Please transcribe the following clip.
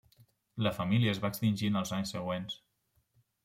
La família es va extingir en els anys següents.